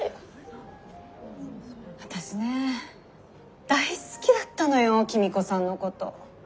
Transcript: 私ね大好きだったのよ公子さんのこと。